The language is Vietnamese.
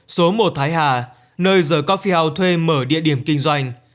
số một thái hà nơi the coffee house thuê mở địa điểm kinh doanh